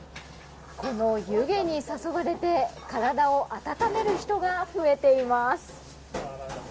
この湯気に誘われて体を温める人が増えています。